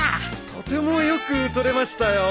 とてもよく撮れましたよ。